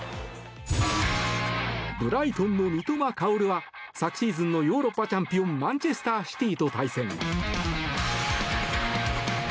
ブライトンの三笘薫は昨シーズンのヨーロッパチャンピオンマンチェスター・シティと対戦。